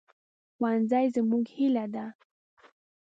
ښوونځی زموږ هیله ده